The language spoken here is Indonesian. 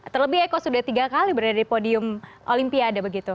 terlebih eko sudah tiga kali berada di podium olimpiade begitu